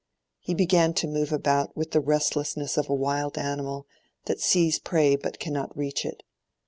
He began to move about with the restlessness of a wild animal that sees prey but cannot reach it.